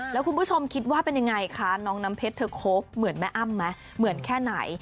แล้วคุณผู้ชมคิดว่าเป็นยังไงคะน้องน้ำเพชรเธอคบเหมือนแม่อ้ำไหมเหมือนแค่ไหน